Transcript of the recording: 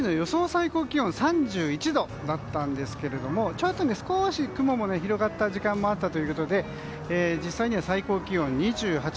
最高気温が３１度だったんですが少し雲が広がった時間もあったということで実際には最高気温が２８．２度。